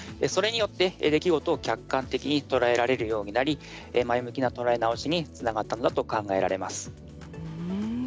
それによって出来事を客観的に捉えられるようになって前向きな捉え直しにつながっていくと考えられます。